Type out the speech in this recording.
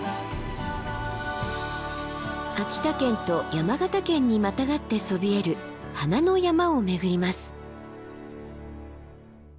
秋田県と山形県にまたがってそびえる花の山を巡ります。